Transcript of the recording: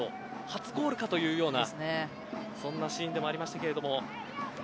初ゴールかというようなそんなシーンでもありましたが。